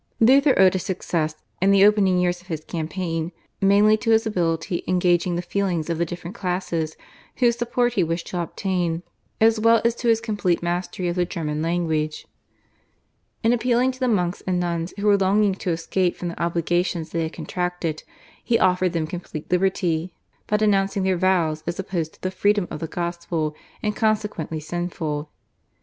Luther owed his success in the opening years of his campaign mainly to his ability in gauging the feelings of the different classes whose support he wished to obtain, as well as to his complete mastery of the German language. In appealing to the monks and nuns, who were longing to escape from the obligations they had contracted, he offered them complete liberty by denouncing their vows as opposed to the freedom of the Gospel and consequently sinful.